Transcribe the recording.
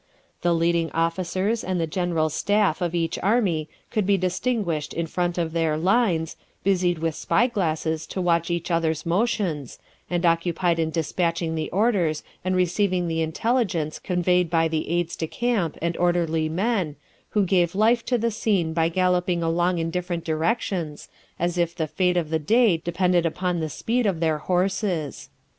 The leading officers and the general's staff of each army could be distinguished in front of their lines, busied with spy glasses to watch each other's motions, and occupied in despatching the orders and receiving the intelligence conveyed by the aides de camp and orderly men, who gave life to the scene by galloping along in different directions, as if the fate of the day depended upon the speed of their horses.